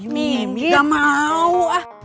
mimin gak mau